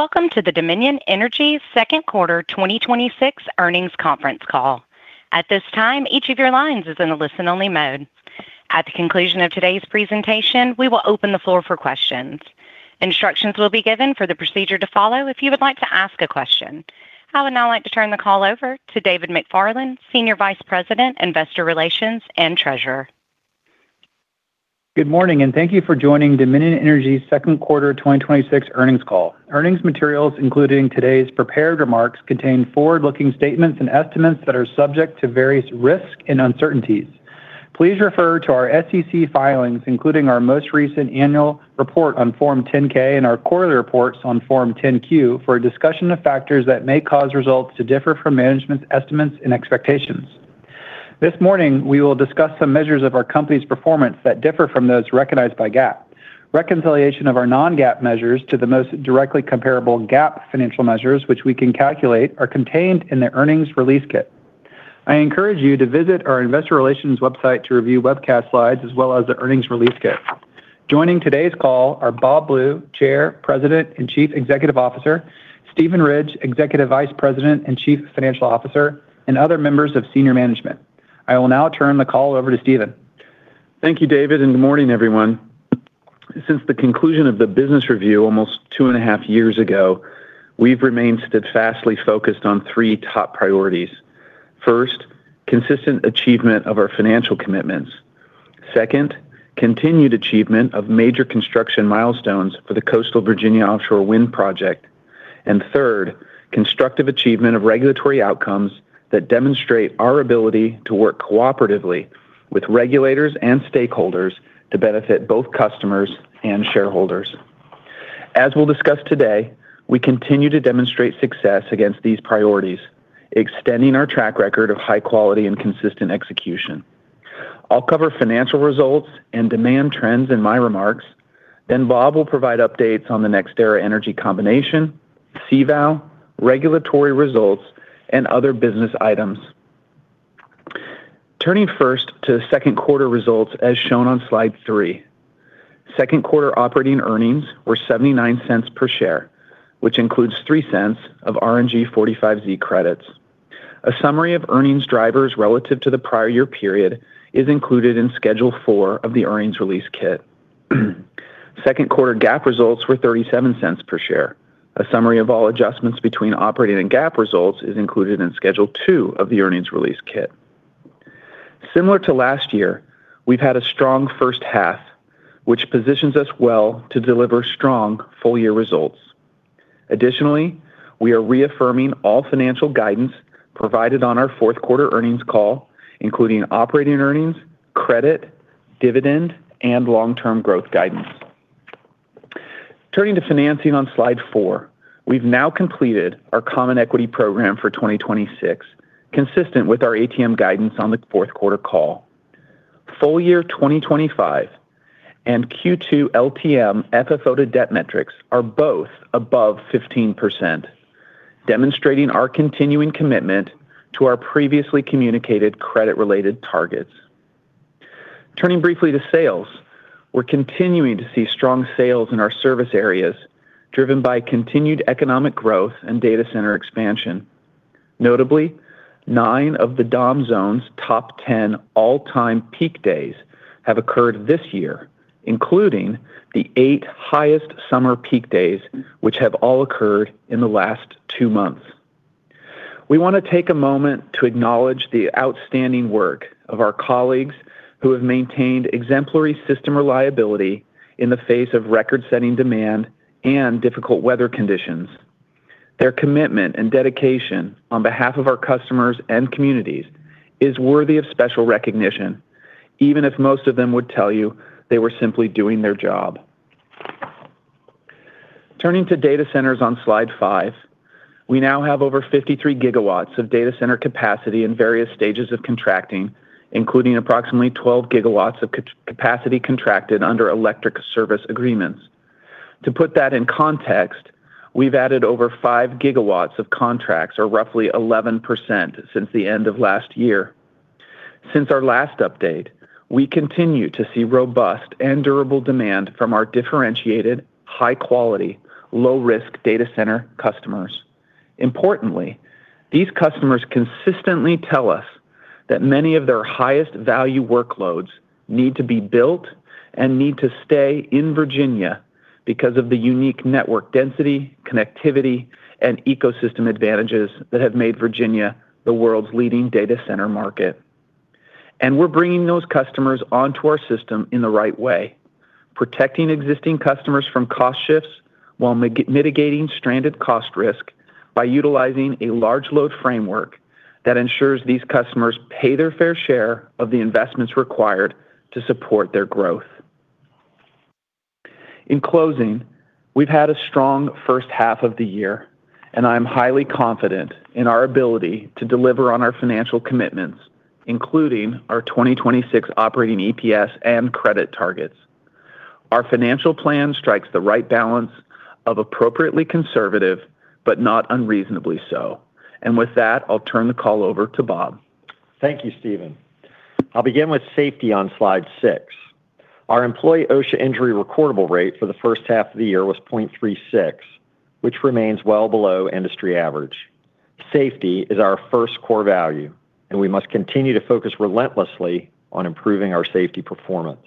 Welcome to the Dominion Energy second quarter 2026 earnings conference call. At this time, each of your lines is in a listen-only mode. At the conclusion of today's presentation, we will open the floor for questions. Instructions will be given for the procedure to follow if you would like to ask a question. I would now like to turn the call over to David McFarland, Senior Vice President, Investor Relations and Treasurer. Good morning. Thank you for joining Dominion Energy's second quarter 2026 earnings call. Earnings materials, including today's prepared remarks, contain forward-looking statements and estimates that are subject to various risks and uncertainties. Please refer to our SEC filings, including our most recent annual report on Form 10-K and our quarterly reports on Form 10-Q, for a discussion of factors that may cause results to differ from management's estimates and expectations. This morning, we will discuss some measures of our company's performance that differ from those recognized by GAAP. Reconciliation of our non-GAAP measures to the most directly comparable GAAP financial measures, which we can calculate, are contained in the earnings release kit. I encourage you to visit our investor relations website to review webcast slides as well as the earnings release kit. Joining today's call are Bob Blue, Chair, President, and Chief Executive Officer, Steven Ridge, Executive Vice President and Chief Financial Officer, and other members of senior management. I will now turn the call over to Steven. Thank you, David. Good morning, everyone. Since the conclusion of the business review almost two and a half years ago, we've remained steadfastly focused on three top priorities. First, consistent achievement of our financial commitments. Second, continued achievement of major construction milestones for the Coastal Virginia Offshore Wind project. Third, constructive achievement of regulatory outcomes that demonstrate our ability to work cooperatively with regulators and stakeholders to benefit both customers and shareholders. As we'll discuss today, we continue to demonstrate success against these priorities, extending our track record of high quality and consistent execution. I'll cover financial results and demand trends in my remarks. Bob will provide updates on the NextEra Energy combination, CVOW, regulatory results, and other business items. Turning first to second quarter results, as shown on slide three. Second quarter operating earnings were $0.79 per share, which includes $0.03 of RNG 45Z credits. A summary of earnings drivers relative to the prior year period is included in Schedule four of the earnings release kit. Second quarter GAAP results were $0.37 per share. A summary of all adjustments between operating and GAAP results is included in Schedule two of the earnings release kit. Similar to last year, we've had a strong first half, which positions us well to deliver strong full-year results. Additionally, we are reaffirming all financial guidance provided on our fourth quarter earnings call, including operating earnings, credit, dividend, and long-term growth guidance. Turning to financing on slide four. We've now completed our common equity program for 2026, consistent with our ATM guidance on the fourth quarter call. Full year 2025 and Q2 LTM FFO/D debt metrics are both above 15%, demonstrating our continuing commitment to our previously communicated credit-related targets. Turning briefly to sales. We're continuing to see strong sales in our service areas, driven by continued economic growth and data center expansion. Notably, nine of the Dominion Zone's top 10 all-time peak days have occurred this year, including the eight highest summer peak days, which have all occurred in the last two months. We want to take a moment to acknowledge the outstanding work of our colleagues who have maintained exemplary system reliability in the face of record-setting demand and difficult weather conditions. Their commitment and dedication on behalf of our customers and communities is worthy of special recognition, even if most of them would tell you they were simply doing their job. Turning to data centers on slide five. We now have over 53 GW of data center capacity in various stages of contracting, including approximately 12 GW of capacity contracted under electric service agreements. To put that in context, we've added over 5 GW of contracts, or roughly 11%, since the end of last year. Since our last update, we continue to see robust and durable demand from our differentiated, high quality, low risk data center customers. Importantly, these customers consistently tell us that many of their highest value workloads need to be built and need to stay in Virginia because of the unique network density, connectivity, and ecosystem advantages that have made Virginia the world's leading data center market. We're bringing those customers onto our system in the right way, protecting existing customers from cost shifts while mitigating stranded cost risk by utilizing a large load framework that ensures these customers pay their fair share of the investments required to support their growth. In closing, we've had a strong first half of the year, I am highly confident in our ability to deliver on our financial commitments, including our 2026 operating EPS and credit targets. Our financial plan strikes the right balance of appropriately conservative, but not unreasonably so. With that, I'll turn the call over to Bob. Thank you, Steven. I will begin with safety on slide six. Our employee OSHA injury recordable rate for the first half of the year was 0.36, which remains well below industry average. Safety is our first core value, and we must continue to focus relentlessly on improving our safety performance.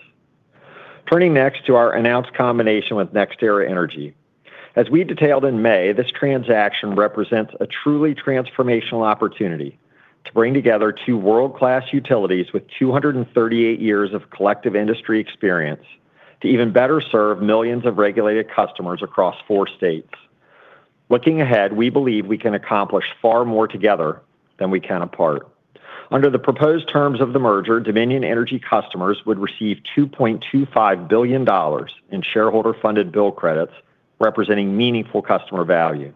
Turning next to our announced combination with NextEra Energy. As we detailed in May, this transaction represents a truly transformational opportunity to bring together two world-class utilities with 238 years of collective industry experience to even better serve millions of regulated customers across four states. Looking ahead, we believe we can accomplish far more together than we can apart. Under the proposed terms of the merger, Dominion Energy customers would receive $2.25 billion in shareholder-funded bill credits representing meaningful customer value.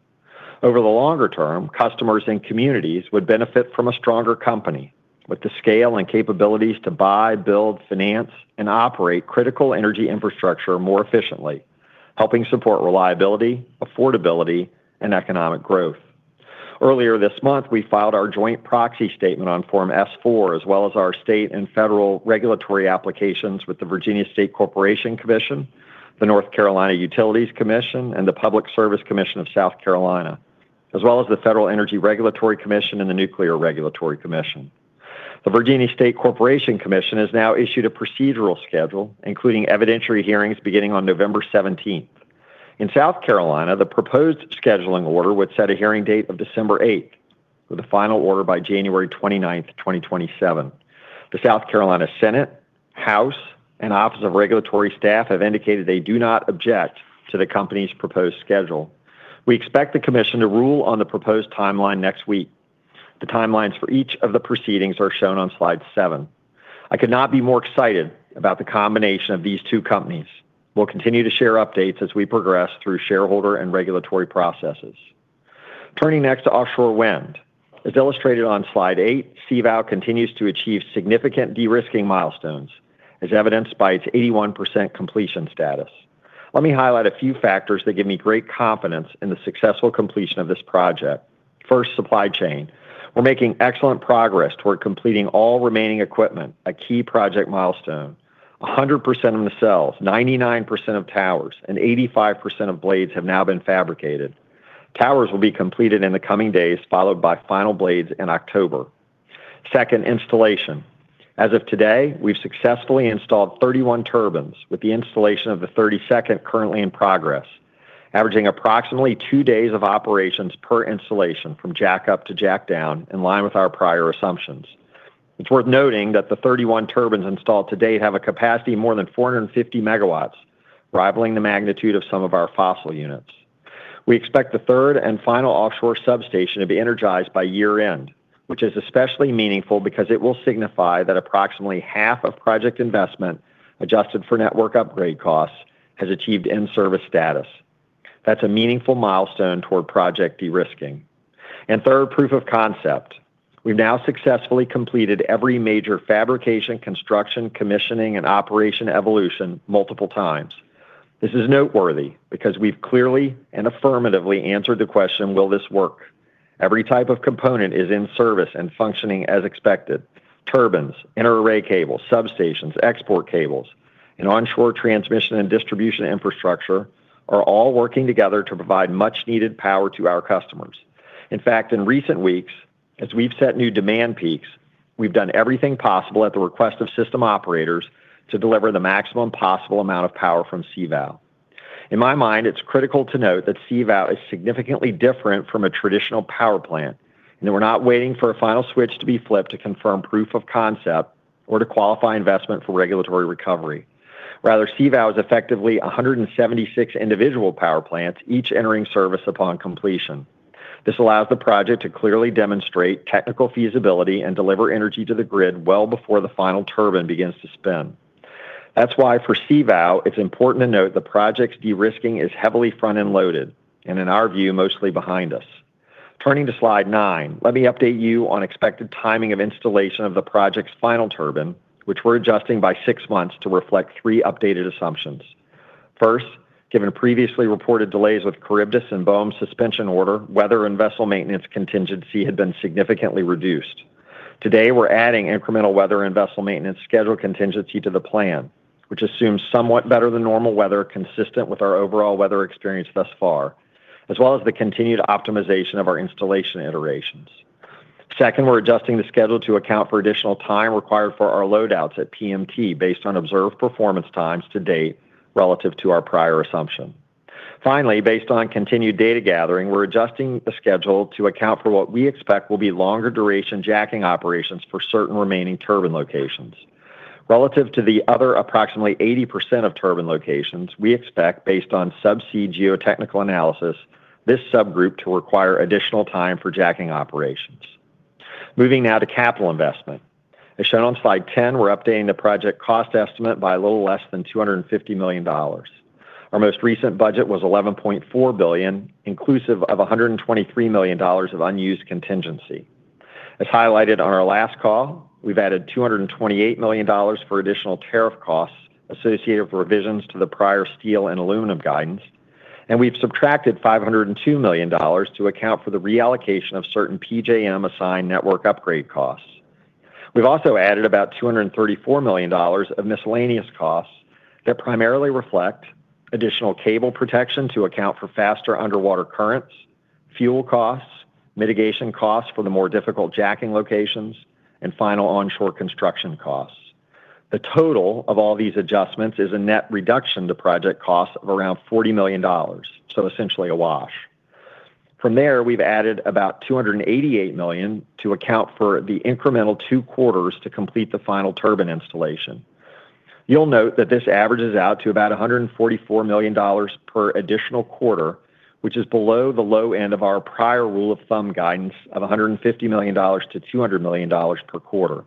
Over the longer term, customers and communities would benefit from a stronger company with the scale and capabilities to buy, build, finance, and operate critical energy infrastructure more efficiently, helping support reliability, affordability, and economic growth. Earlier this month, we filed our joint proxy statement on Form S-4, as well as our state and federal regulatory applications with the Virginia State Corporation Commission, the North Carolina Utilities Commission, and the Public Service Commission of South Carolina, as well as the Federal Energy Regulatory Commission and the Nuclear Regulatory Commission. The Virginia State Corporation Commission has now issued a procedural schedule, including evidentiary hearings beginning on November 17th. In South Carolina, the proposed scheduling order would set a hearing date of December 8th, with a final order by January 29th, 2027. The South Carolina Senate, House, and Office of Regulatory Staff have indicated they do not object to the company's proposed schedule. We expect the commission to rule on the proposed timeline next week. The timelines for each of the proceedings are shown on slide seven. I could not be more excited about the combination of these two companies. We will continue to share updates as we progress through shareholder and regulatory processes. Turning next to offshore wind. As illustrated on slide eight, CVOW continues to achieve significant de-risking milestones, as evidenced by its 81% completion status. Let me highlight a few factors that give me great confidence in the successful completion of this project. First, supply chain. We are making excellent progress toward completing all remaining equipment, a key project milestone. 100% of nacelles, 99% of towers, and 85% of blades have now been fabricated. Towers will be completed in the coming days, followed by final blades in October. Second, installation. As of today, we've successfully installed 31 turbines, with the installation of the 32nd currently in progress, averaging approximately two days of operations per installation from jack up to jack down, in line with our prior assumptions. It's worth noting that the 31 turbines installed to date have a capacity of more than 450 MW, rivaling the magnitude of some of our fossil units. We expect the third and final offshore substation to be energized by year-end, which is especially meaningful because it will signify that approximately half of project investment, adjusted for network upgrade costs, has achieved in-service status. That's a meaningful milestone toward project de-risking. Third, proof of concept. We've now successfully completed every major fabrication, construction, commissioning, and operation evolution multiple times. This is noteworthy because we've clearly and affirmatively answered the question, will this work? Every type of component is in service and functioning as expected. Turbines, inter-array cables, substations, export cables, and onshore transmission and distribution infrastructure are all working together to provide much-needed power to our customers. In fact, in recent weeks, as we've set new demand peaks, we've done everything possible at the request of system operators to deliver the maximum possible amount of power from CVOW. In my mind, it's critical to note that CVOW is significantly different from a traditional power plant, and that we're not waiting for a final switch to be flipped to confirm proof of concept or to qualify investment for regulatory recovery. Rather, CVOW is effectively 176 individual power plants, each entering service upon completion. This allows the project to clearly demonstrate technical feasibility and deliver energy to the grid well before the final turbine begins to spin. That's why for CVOW, it's important to note the project's de-risking is heavily front-end loaded, and in our view, mostly behind us. Turning to slide nine, let me update you on expected timing of installation of the project's final turbine, which we're adjusting by six months to reflect three updated assumptions. First, given previously reported delays with Charybdis and BOEM suspension order, weather and vessel maintenance contingency had been significantly reduced. Today, we're adding incremental weather and vessel maintenance schedule contingency to the plan, which assumes somewhat better-than-normal weather consistent with our overall weather experience thus far, as well as the continued optimization of our installation iterations. Second, we're adjusting the schedule to account for additional time required for our load outs at PMT based on observed performance times to date relative to our prior assumption. Finally, based on continued data gathering, we're adjusting the schedule to account for what we expect will be longer duration jacking operations for certain remaining turbine locations. Relative to the other approximately 80% of turbine locations, we expect, based on sub-sea geotechnical analysis, this subgroup to require additional time for jacking operations. Moving now to capital investment. As shown on slide 10, we're updating the project cost estimate by a little less than $250 million. Our most recent budget was $11.4 billion, inclusive of $123 million of unused contingency. As highlighted on our last call, we've added $228 million for additional tariff costs associated with revisions to the prior steel and aluminum guidance. We've subtracted $502 million to account for the reallocation of certain PJM assigned network upgrade costs. We've also added about $234 million of miscellaneous costs that primarily reflect additional cable protection to account for faster underwater currents, fuel costs, mitigation costs for the more difficult jacking locations, and final onshore construction costs. The total of all these adjustments is a net reduction to project costs of around $40 million, so essentially a wash. From there, we've added about $288 million to account for the incremental two quarters to complete the final turbine installation. You'll note that this averages out to about $144 million per additional quarter, which is below the low end of our prior rule of thumb guidance of $150 million-$200 million per quarter.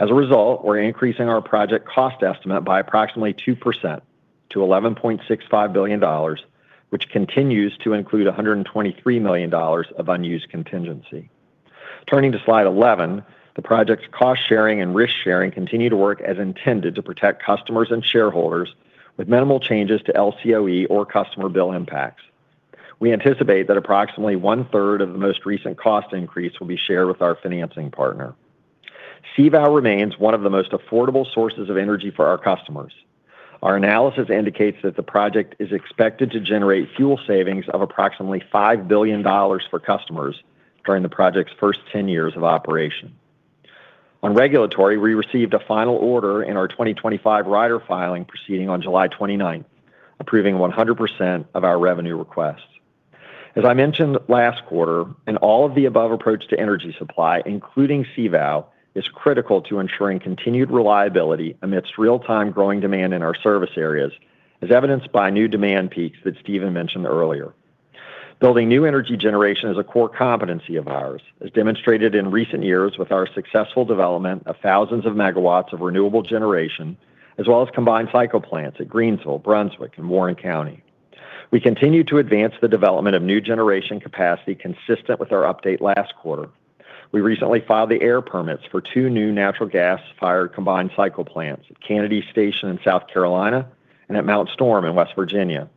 We're increasing our project cost estimate by approximately 2% to $11.65 billion, which continues to include $123 million of unused contingency. Turning to slide 11, the project's cost sharing and risk-sharing continue to work as intended to protect customers and shareholders with minimal changes to LCOE or customer bill impacts. We anticipate that approximately one-third of the most recent cost increase will be shared with our financing partner. CVOW remains one of the most affordable sources of energy for our customers. Our analysis indicates that the project is expected to generate fuel savings of approximately $5 billion for customers during the project's first 10 years of operation. On regulatory, we received a final order in our 2025 rider filing proceeding on July 29th, approving 100% of our revenue requests. I mentioned last quarter, in all of the above approach to energy supply, including CVOW, is critical to ensuring continued reliability amidst real-time growing demand in our service areas, as evidenced by new demand peaks that Steven mentioned earlier. Building new energy generation is a core competency of ours, as demonstrated in recent years with our successful development of thousands of megawatts of renewable generation, as well as combined cycle plants at Greensville, Brunswick, and Warren County. We continue to advance the development of new generation capacity consistent with our update last quarter. We recently filed the air permits for two new natural gas-fired combined cycle plants at Kennedy Station in South Carolina and at Mount Storm in West Virginia,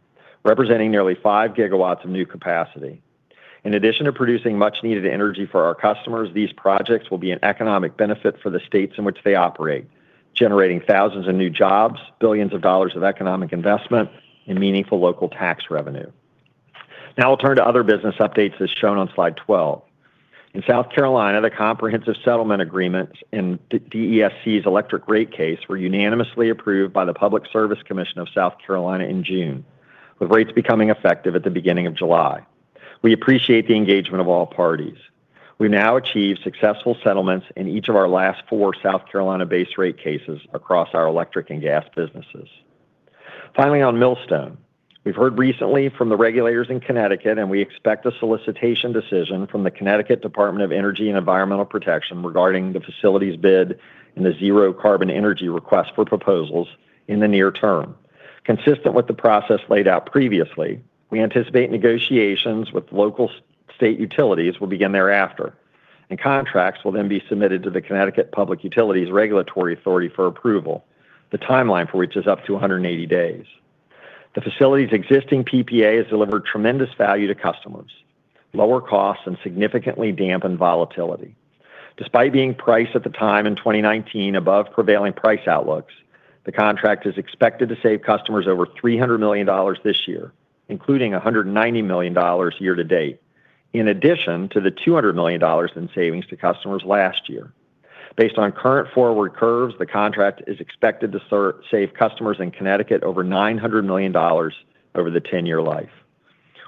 representing nearly five gigawatts of new capacity. In addition to producing much-needed energy for our customers, these projects will be an economic benefit for the states in which they operate, generating thousands of new jobs, billions of dollars of economic investment, and meaningful local tax revenue. We'll turn to other business updates, as shown on slide 12. In South Carolina, the comprehensive settlement agreements in DESC's electric rate case were unanimously approved by the Public Service Commission of South Carolina in June, with rates becoming effective at the beginning of July. We appreciate the engagement of all parties. We've now achieved successful settlements in each of our last four South Carolina base rate cases across our electric and gas businesses. Finally, on Millstone. We've heard recently from the regulators in Connecticut. We expect a solicitation decision from the Connecticut Department of Energy and Environmental Protection regarding the facility's bid in the zero-carbon energy request for proposals in the near term. Consistent with the process laid out previously, we anticipate negotiations with local state utilities will begin thereafter, and contracts will then be submitted to the Connecticut Public Utilities Regulatory Authority for approval, the timeline for which is up to 180 days. The facility's existing PPA has delivered tremendous value to customers, lower costs, and significantly dampened volatility. Despite being priced at the time in 2019 above prevailing price outlooks, the contract is expected to save customers over $300 million this year, including $190 million year to date, in addition to the $200 million in savings to customers last year. Based on current forward curves, the contract is expected to save customers in Connecticut over $900 million over the 10-year life.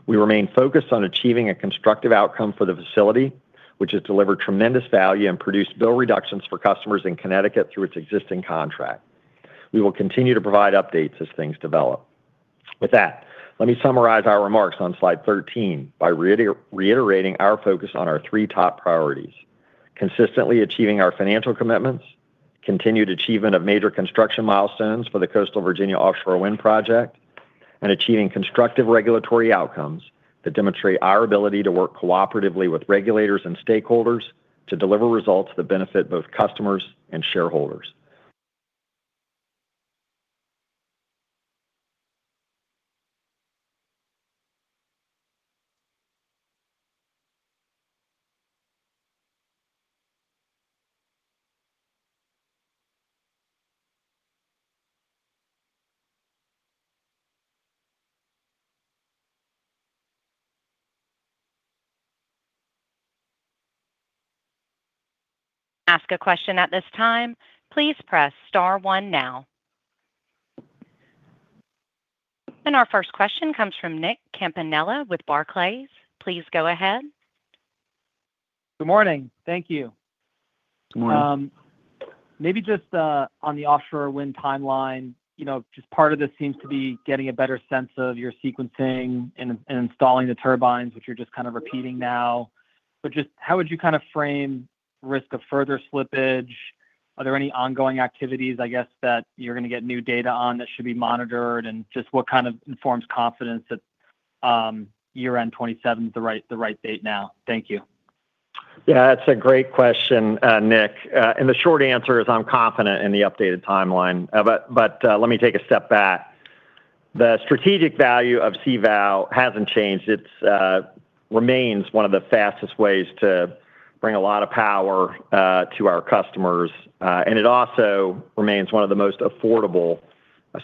We remain focused on achieving a constructive outcome for the facility, which has delivered tremendous value and produced bill reductions for customers in Connecticut through its existing contract. We will continue to provide updates as things develop. With that, let me summarize our remarks on slide 13 by reiterating our focus on our three top priorities: consistently achieving our financial commitments, continued achievement of major construction milestones for the Coastal Virginia Offshore Wind project, and achieving constructive regulatory outcomes that demonstrate our ability to work cooperatively with regulators and stakeholders to deliver results that benefit both customers and shareholders. Ask a question at this time, please press star one now. Our first question comes from Nick Campanella with Barclays. Please go ahead. Good morning. Thank you. Good morning. Maybe just on the offshore wind timeline, just part of this seems to be getting a better sense of your sequencing and installing the turbines, which you're just kind of repeating now. How would you frame risk of further slippage? Are there any ongoing activities, I guess, that you're going to get new data on that should be monitored? What kind of informs confidence that year-end 2027 is the right date now? Thank you. Yeah, that's a great question, Nick. The short answer is I'm confident in the updated timeline. Let me take a step back. The strategic value of CVOW hasn't changed. It remains one of the fastest ways to bring a lot of power to our customers, it also remains one of the most affordable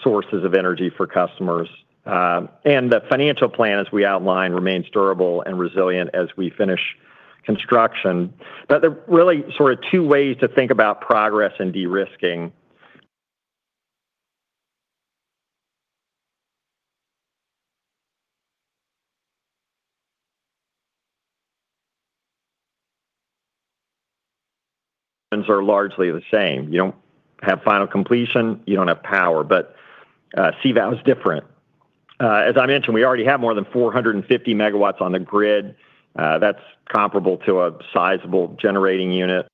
sources of energy for customers. The financial plan, as we outlined, remains durable and resilient as we finish construction. There are really sort of two ways to think about progress and de-risking. Things are largely the same. You don't have final completion, you don't have power. CVOW is different. As I mentioned, we already have more than 450 MW on the grid. That's comparable to a sizable generating unit.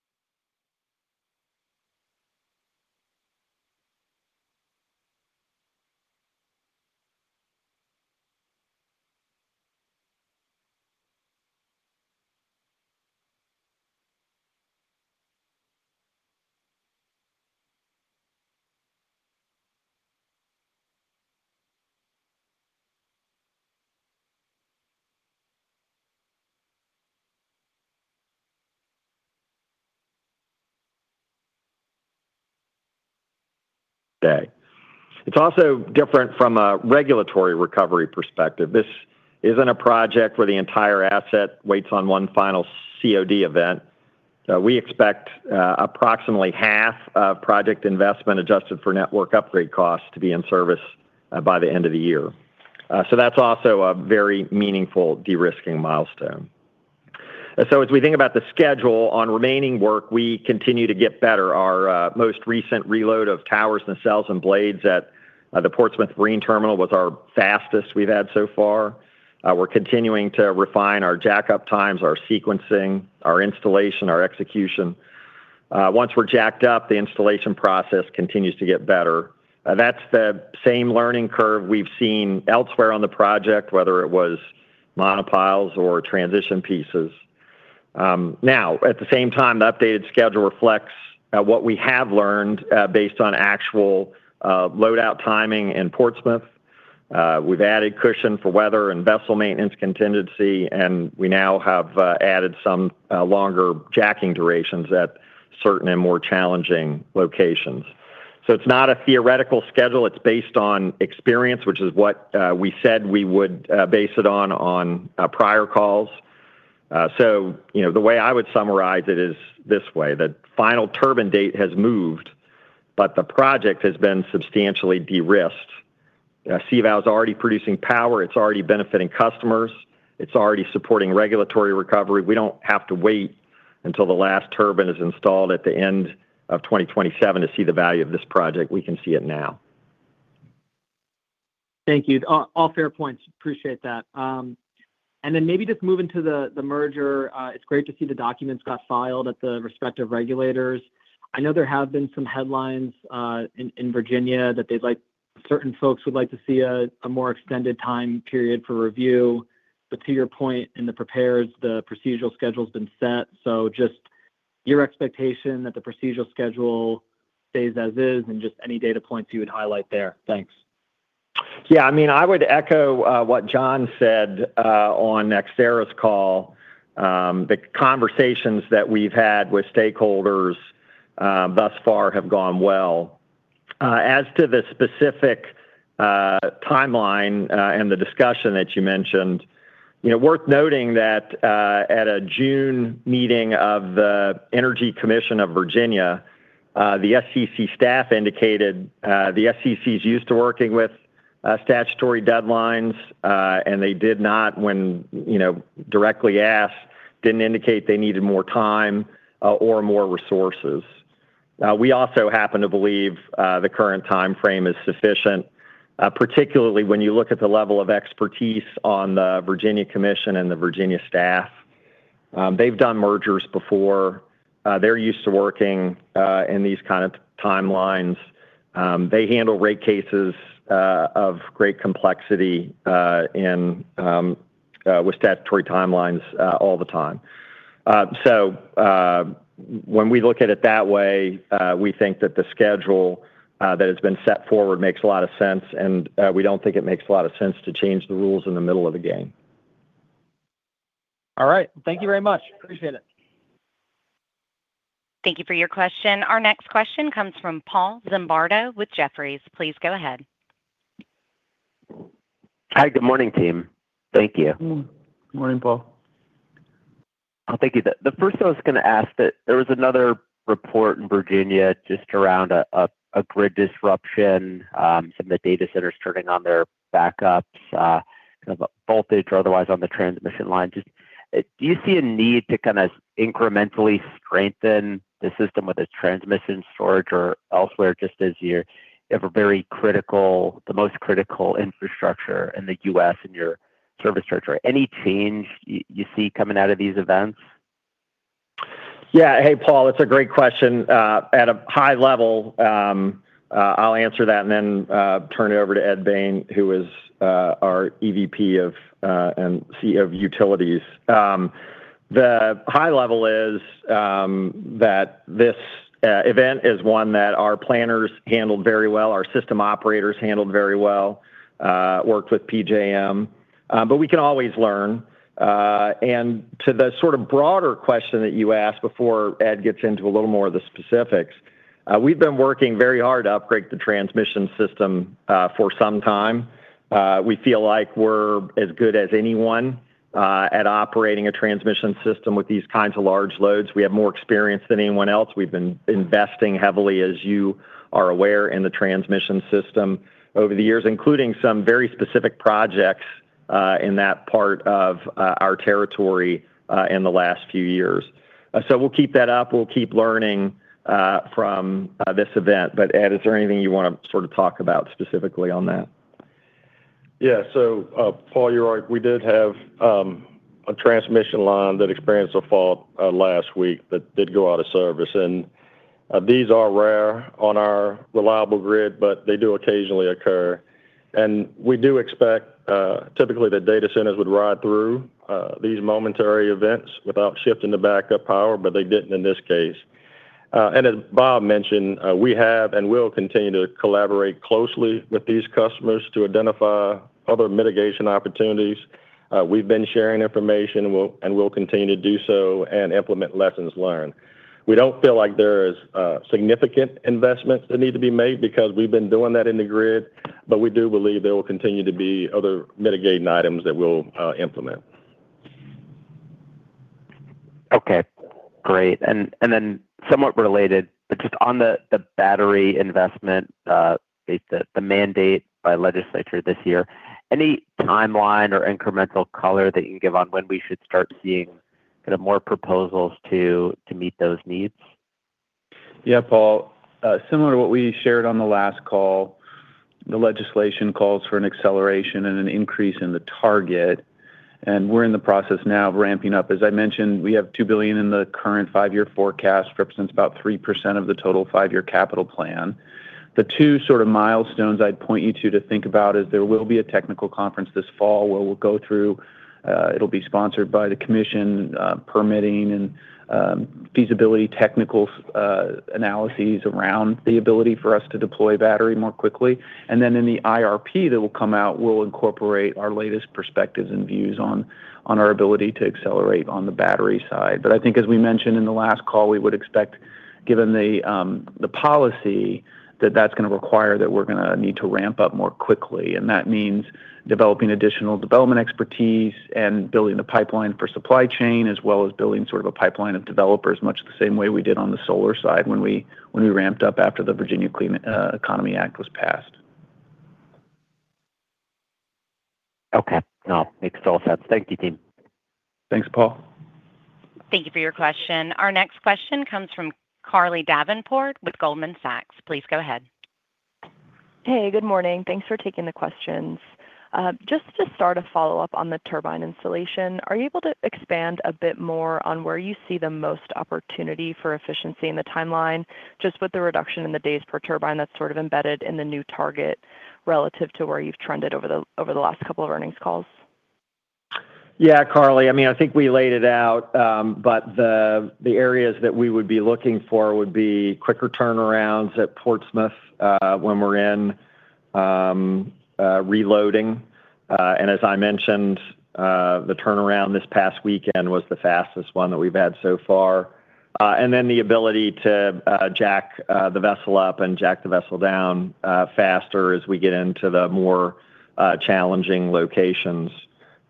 It's also different from a regulatory recovery perspective. This isn't a project where the entire asset waits on one final COD event. We expect approximately half of project investment adjusted for network upgrade costs to be in service by the end of the year. That's also a very meaningful de-risking milestone. As we think about the schedule on remaining work, we continue to get better. Our most recent reload of towers and nacelles and blades at the Portsmouth Marine Terminal was our fastest we've had so far. We're continuing to refine our jackup times, our sequencing, our installation, our execution. Once we're jacked up, the installation process continues to get better. That's the same learning curve we've seen elsewhere on the project, whether it was monopiles or transition pieces. At the same time, the updated schedule reflects what we have learned based on actual load-out timing in Portsmouth. We've added cushion for weather and vessel maintenance contingency, and we now have added some longer jacking durations at certain and more challenging locations. It's not a theoretical schedule, it's based on experience, which is what we said we would base it on prior calls. The way I would summarize it is this way, the final turbine date has moved, but the project has been substantially de-risked. CVOW is already producing power, it's already benefiting customers, it's already supporting regulatory recovery. We don't have to wait until the last turbine is installed at the end of 2027 to see the value of this project. We can see it now. Thank you. All fair points. Appreciate that. Maybe just moving to the merger. It's great to see the documents got filed at the respective regulators. I know there have been some headlines in Virginia that certain folks would like to see a more extended time period for review. To your point in the prepares, the procedural schedule's been set, just your expectation that the procedural schedule stays as is and just any data points you would highlight there. Thanks. I would echo what John said on NextEra's call. The conversations that we've had with stakeholders thus far have gone well. As to the specific timeline and the discussion that you mentioned, worth noting that at a June meeting of the Energy Commission of Virginia, the SCC staff indicated the SCC's used to working with statutory deadlines, and they did not, when directly asked, didn't indicate they needed more time or more resources. We also happen to believe the current timeframe is sufficient, particularly when you look at the level of expertise on the Virginia Commission and the Virginia staff. They've done mergers before. They're used to working in these kind of timelines. They handle rate cases of great complexity with statutory timelines all the time. When we look at it that way, we think that the schedule that has been set forward makes a lot of sense, we don't think it makes a lot of sense to change the rules in the middle of the game. All right. Thank you very much. Appreciate it. Thank you for your question. Our next question comes from Paul Zimbardo with Jefferies. Please go ahead. Hi. Good morning, team. Thank you. Good morning, Paul. Thank you. The first thing I was going to ask that there was another report in Virginia just around a grid disruption, some of the data centers turning on their backups, voltage or otherwise on the transmission line. Do you see a need to incrementally strengthen the system, whether it's transmission, storage or elsewhere, just as you have a very critical, the most critical infrastructure in the U.S. in your service territory? Any change you see coming out of these events? Hey, Paul. It's a great question. At a high level, I'll answer that and then turn it over to Ed Baine, who is our EVP of EVP of Utility Operations. The high level is that this event is one that our planners handled very well, our system operators handled very well, worked with PJM. We can always learn. To the sort of broader question that you asked before Ed gets into a little more of the specifics, we've been working very hard to upgrade the transmission system for some time. We feel like we're as good as anyone at operating a transmission system with these kinds of large loads. We have more experience than anyone else. We've been investing heavily, as you are aware, in the transmission system over the years, including some very specific projects, in that part of our territory in the last few years. We'll keep that up. We'll keep learning from this event. Ed, is there anything you want to sort of talk about specifically on that? Paul, you're right. We did have a transmission line that experienced a fault last week that did go out of service. These are rare on our reliable grid, but they do occasionally occur. We do expect, typically, the data centers would ride through these momentary events without shifting to backup power, but they didn't in this case. As Bob mentioned, we have and will continue to collaborate closely with these customers to identify other mitigation opportunities. We've been sharing information and will continue to do so and implement lessons learned. We don't feel like there is significant investments that need to be made because we've been doing that in the grid, but we do believe there will continue to be other mitigating items that we'll implement. Okay. Great. Somewhat related, but just on the battery investment, the mandate by legislature this year, any timeline or incremental color that you can give on when we should start seeing kind of more proposals to meet those needs? Yeah, Paul. Similar to what we shared on the last call, the legislation calls for an acceleration and an increase in the target, and we're in the process now of ramping up. As I mentioned, we have $2 billion in the current five-year forecast, represents about 3% of the total five-year capital plan. The two sort of milestones I'd point you to to think about is there will be a technical conference this fall where we'll go through. It'll be sponsored by the commission, permitting and feasibility technical analyses around the ability for us to deploy battery more quickly. In the IRP that will come out, we'll incorporate our latest perspectives and views on our ability to accelerate on the battery side. I think as we mentioned in the last call, we would expect, given the policy, that that's going to require that we're going to need to ramp up more quickly. That means developing additional development expertise and building a pipeline for supply chain, as well as building sort of a pipeline of developers, much the same way we did on the solar side when we ramped up after the Virginia Clean Economy Act was passed. Okay. No, makes total sense. Thank you, team. Thanks, Paul. Thank you for your question. Our next question comes from Carly Davenport with Goldman Sachs. Please go ahead. Hey, good morning. Thanks for taking the questions. Just to start a follow-up on the turbine installation, are you able to expand a bit more on where you see the most opportunity for efficiency in the timeline, just with the reduction in the days per turbine that is sort of embedded in the new target relative to where you have trended over the last couple of earnings calls? Yeah, Carly. I think we laid it out. The areas that we would be looking for would be quicker turnarounds at Portsmouth when we are in reloading. As I mentioned, the turnaround this past weekend was the fastest one that we have had so far. The ability to jack the vessel up and jack the vessel down faster as we get into the more challenging locations.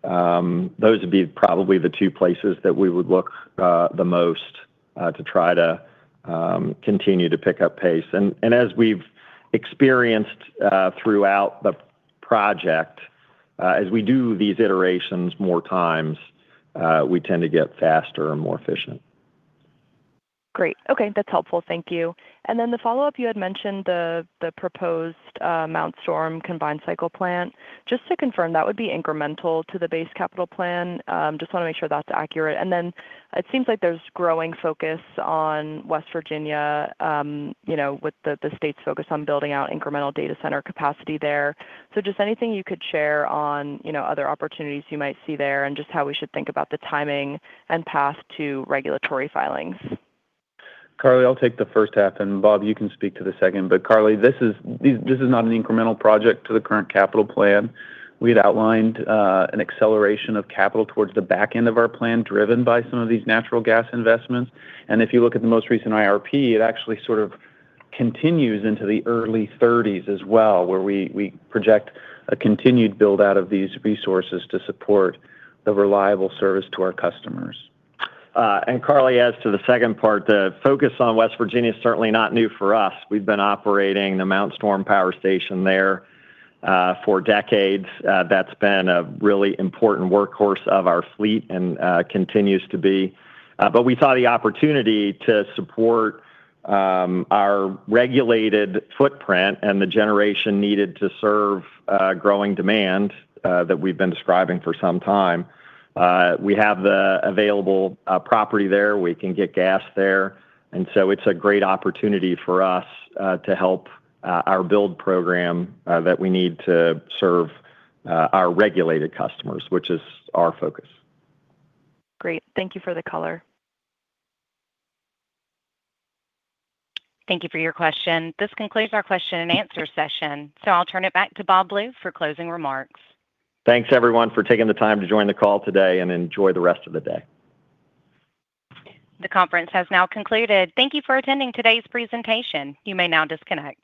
Those would be probably the two places that we would look the most to try to continue to pick up pace. As we have experienced throughout the project, as we do these iterations more times, we tend to get faster and more efficient. Great. Okay. That's helpful. Thank you. The follow-up, you had mentioned the proposed Mount Storm combined cycle plant. Just to confirm, that would be incremental to the base capital plan? Just want to make sure that's accurate. It seems like there's growing focus on West Virginia, with the state's focus on building out incremental data center capacity there. Just anything you could share on other opportunities you might see there and just how we should think about the timing and path to regulatory filings. Carly, I'll take the first half, and Bob, you can speak to the second. Carly, this is not an incremental project to the current capital plan. We had outlined an acceleration of capital towards the back end of our plan driven by some of these natural gas investments. If you look at the most recent IRP, it actually sort of continues into the early thirties as well, where we project a continued build-out of these resources to support the reliable service to our customers. Carly, as to the second part, the focus on West Virginia is certainly not new for us. We've been operating the Mount Storm power station there for decades. That's been a really important workhorse of our fleet and continues to be. We saw the opportunity to support our regulated footprint and the generation needed to serve growing demand that we've been describing for some time. We have the available property there. We can get gas there. It's a great opportunity for us to help our build program that we need to serve our regulated customers, which is our focus. Great. Thank you for the color. Thank you for your question. This concludes our Q&A session. I'll turn it back to Bob Blue for closing remarks. Thanks, everyone, for taking the time to join the call today. Enjoy the rest of the day. The conference has now concluded. Thank you for attending today's presentation. You may now disconnect.